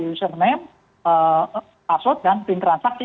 username password dan tim transaksi